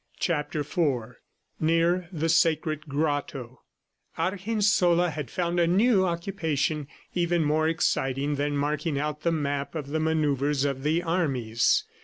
CHAPTER IV NEAR THE SACRED GROTTO Argensola had found a new occupation even more exciting than marking out on the map the manoeuvres of the armies.